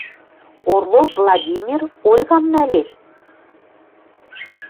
Орлов Владимир Ольгам нӓлеш?..»